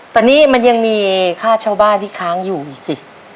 ตอนนี้มันยังมีค่าเช่าบ้านที่ค้างอยู่อีกสิ